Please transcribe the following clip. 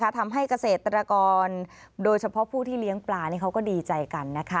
ทำให้เกษตรกรโดยเฉพาะผู้ที่เลี้ยงปลานี่เขาก็ดีใจกัน